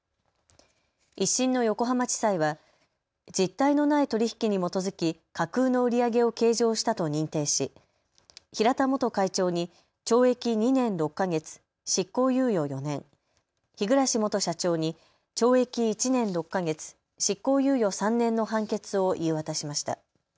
１審の横浜地裁は実態のない取り引きに基づき架空の売り上げを計上したと認定し平田元会長に懲役２年６か月、執行猶予４年、日暮元社長に懲役１年６か月、執行猶予３年の判決を言い渡しました。